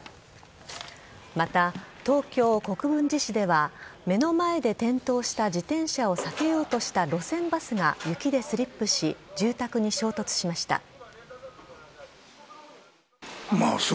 また、東京・国分寺市では目の前で転倒した自転車を避けようとした路線バスが雪でスリップし住宅に衝突しました。